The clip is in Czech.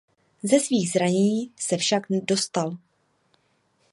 Ze svých zranění se však dostal.